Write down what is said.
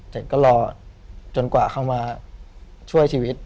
เสร็จก็รอจนกว่าเข้ามาช่วยชีวิต